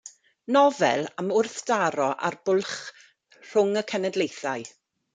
Nofel am wrthdaro a'r bwlch rhwng y cenedlaethau.